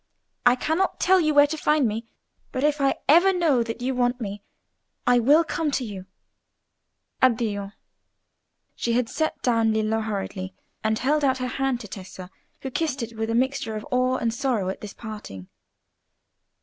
I cannot tell you where to find me, but if I ever know that you want me, I will come to you. Addio!" She had set down Lillo hurriedly, and held out her hand to Tessa, who kissed it with a mixture of awe and sorrow at this parting.